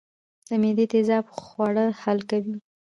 د معدې تیزاب خواړه حل کوي